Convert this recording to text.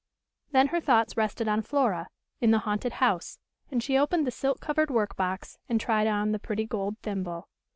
Then her thoughts rested on Flora, in the "haunted house," and she opened the silk covered work box and tried on the pretty gold thimble.